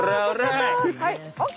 ＯＫ！